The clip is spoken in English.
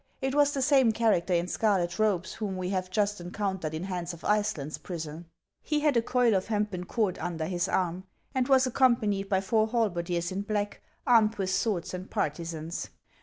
It was the same character in scarlet robes whom we have just encountered in Hans of Iceland's prison. He had a coil of hempen cord under his arm. and was accompanied by four halberdiers in black, armed with swords and partisans.